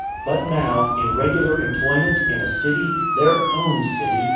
But now, in regular employment, in a city, their own city!